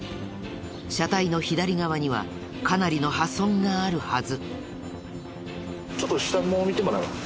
車体の左側にはかなりの破損があるはず。